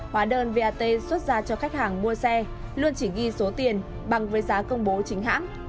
hóa đơn vat xuất ra cho khách hàng mua xe luôn chỉ ghi số tiền bằng với giá công bố chính hãng